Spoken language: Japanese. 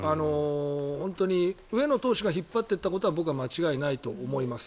本当に上野投手が引っ張っていったことは間違いないと思います。